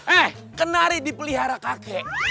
eh kenari dipelihara kakek